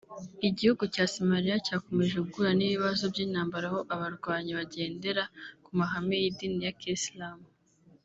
Igihugu cya Somalia cyakomeje guhura n’ibibazo by’intambara aho abarwanyi bagendera ku mahame y’idini ya Kisilamu